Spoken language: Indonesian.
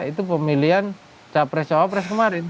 itu pemilihan capres cawapres kemarin